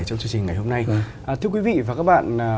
trong chương trình ngày hôm nay thưa quý vị và các bạn